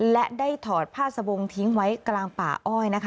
และได้ถอดผ้าสบงทิ้งไว้กลางป่าอ้อยนะคะ